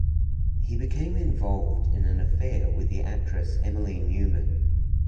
He became involved in an affair with the actress Emilie Neumann.